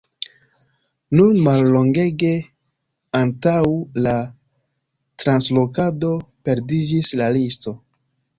Nur mallongege antaŭ la translokado perdiĝis la listo.